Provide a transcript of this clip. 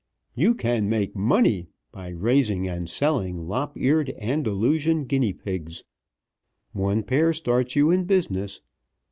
YOU CAN MAKE MONEY by raising and selling Lop eared Andalusian Guinea pigs. One pair starts you in business.